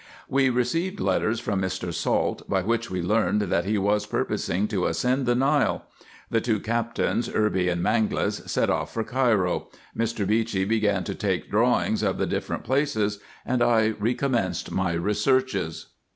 We received letters from Mr. Salt, by which we learned that he was purposing to ascend the Nile. IN EGYPT, NUBIA, &c. 221 The two Captains, Irby and Mangles, set off for Cairo, Mr. Beechey began to take drawings of the different places, and I recommenced my researches.